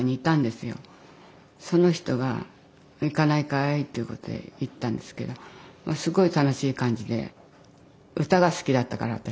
その人が行かないかい？ということで行ったんですけどすごい楽しい感じで歌が好きだったから私もね